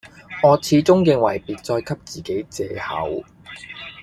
我始終認為別再給自己借口，